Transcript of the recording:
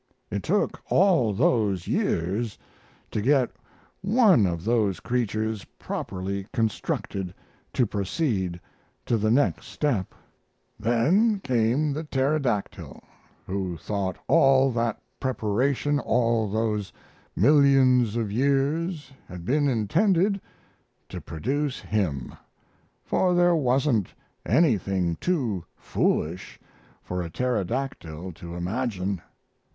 "It took all those years to get one of those creatures properly constructed to proceed to the next step. Then came the pterodactyl, who thought all that preparation all those millions of years had been intended to produce him, for there wasn't anything too foolish for a pterodactyl to imagine.